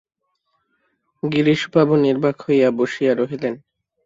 গিরিশবাবু নির্বাক হইয়া বসিয়া রহিলেন।